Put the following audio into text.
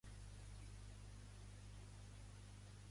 És una sensació molt rara eh?